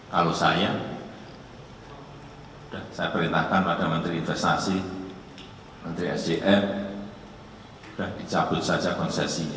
kalau saya saya perintahkan pada menteri investasi menteri sdm sudah dicabut saja konsesinya